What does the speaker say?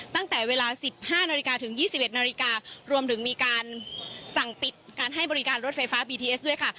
ตั้งแต่เวลา๑๕นาฬิกาถึง๒๑นาฬิการวมถึงมีการสั่งปิดการให้บริการรถไฟฟ้าบีทีเอสด้วยค่ะ